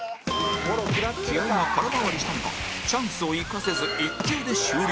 気合が空回りしたのかチャンスを生かせず１球で終了